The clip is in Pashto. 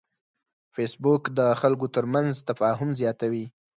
فېسبوک د خلکو ترمنځ تفاهم زیاتوي